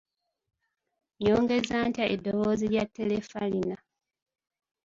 Nnyongeza ntya eddoboozi lya terefalina?